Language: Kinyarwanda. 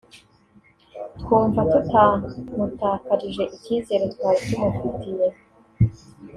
twumva tumutakarije icyizere twari tumufitiye